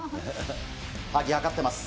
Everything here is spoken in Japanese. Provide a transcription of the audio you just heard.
はぎ測ってます。